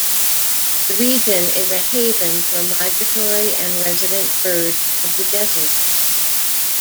The region is a haven for migratory and resident birds of the desert.